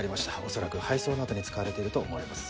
恐らく配送などに使われていると思われます。